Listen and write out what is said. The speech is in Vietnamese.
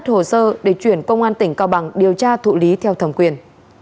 thạch đã đặt hồ sơ để chuyển công an tỉnh cao bằng điều tra thụ lý theo thẩm quyền